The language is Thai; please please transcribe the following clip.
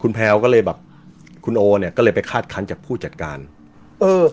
แพลวก็เลยแบบคุณโอเนี้ยก็เลยไปคาดคันจากผู้จัดการเออ